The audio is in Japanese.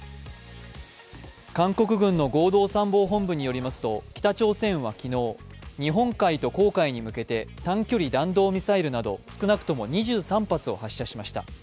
韓国軍の合同参謀本部によりますと、北朝鮮は昨日、日本海と黄海に向けて短距離弾道ミサイルなど少なくとも２３発を発射しました。